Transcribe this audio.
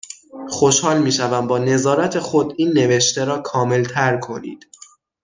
خوشحال میشوم با نظرات خود، این نوشته را کاملتر کنید